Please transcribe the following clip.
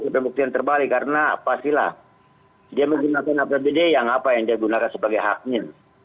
pembuktian terbalik karena pastilah dia menggunakan apbd yang apa yang dia gunakan sebagai haknya